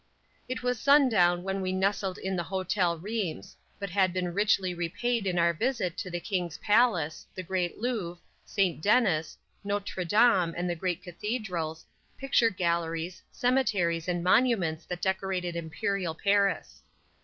It was sundown when we nestled in the Hotel Reims, but had been richly repaid in our visit to the king's palace, the great Louvre, St. Denis, Notre Dame and the great cathedrals, picture galleries, cemeteries and monuments that decorated imperial Paris.